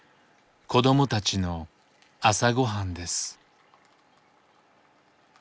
子どもたちの朝ごはんです。